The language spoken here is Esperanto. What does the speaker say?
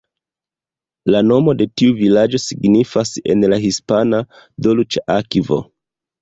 La nomo de tiu vilaĝo signifas en la hispana "Dolĉa akvo".